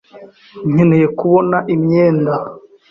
Nkeneye kubona imyenda.